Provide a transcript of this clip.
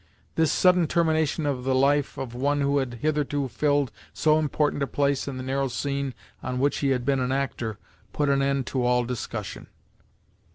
This sudden termination of the life of one who had hitherto filled so important a place in the narrow scene on which he had been an actor, put an end to all discussion.